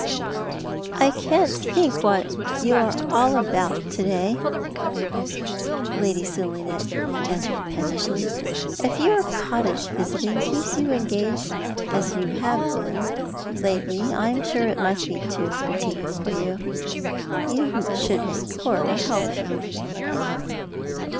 " I can't think what you are about all to day," Lady Selina answered pettishly. "If your cottage visiting keeps you engaged as you have been lately I'm sure it must be too fatiguing for you. You should make Cora help you."